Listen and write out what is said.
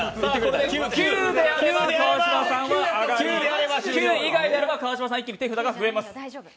９であれば川島さん上がり９以外であれば川島さん、一気に手札が増えます。